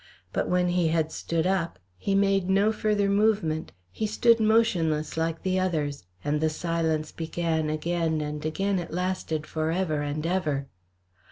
But when he had stood up he made no further movement; he stood motionless, like the others, and the silence began again and again it lasted for ever and ever.